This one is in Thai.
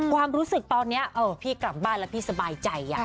ความรู้สึกตอนนี้พี่กลับบ้านแล้วพี่สบายใจ